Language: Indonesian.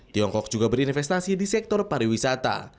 tiongkok juga berinvestasi di sektor pariwisata